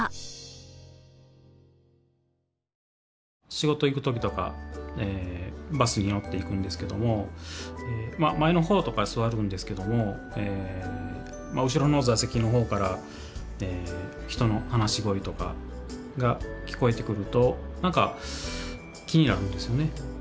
仕事行く時とかバスに乗って行くんですけども前の方とかに座るんですけども後ろの座席の方から人の話し声とかが聞こえてくると何か気になるんですよね。